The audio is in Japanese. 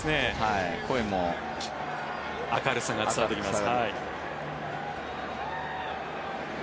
声も明るさが伝わってきます。